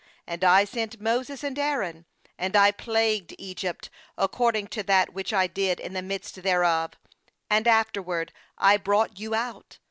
5And I sent Moses and Aaron, and I plagued Egypt, according to that which I did in the midst thereof; and afterward I brought you out.